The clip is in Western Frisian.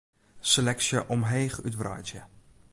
Seleksje omheech útwreidzje.